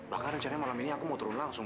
bahkan rencana malam ini aku mau turun langsung